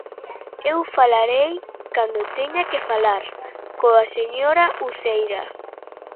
Eu falarei, cando teña que falar, coa señora Uceira.